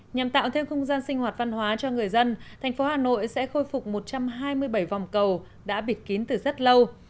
nhằm tạo thêm không gian sinh hoạt văn hóa cho người dân thành phố hà nội sẽ khôi phục một trăm hai mươi bảy vòng cầu đã bịt kín từ rất lâu